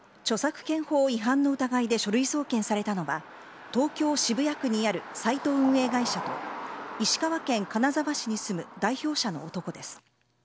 著作権法違反の疑いで書類送検されたのは東京・渋谷区にあるサイト運営会社と石川県金沢市に住む代表者の男です。